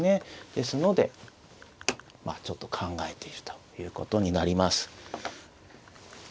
ですのでまあちょっと考えているということになります。